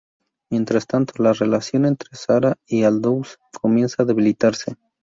Mientras tanto, la relación entre Sarah y Aldous comienza a debilitarse.